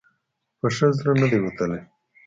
په ښه زړه نه دی وتلی.